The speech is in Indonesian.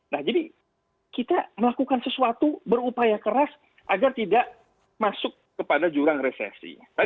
nah jadi kita melakukan sesuatu berupaya keras agar tidak masuk kepada jurang resesi